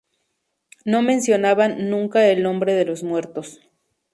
No mencionaban nunca el nombre de los muertos.